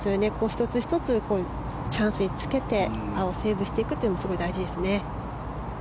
１つ１つ、チャンスにつけてパーをセーブしていくのがすごい大事ですね。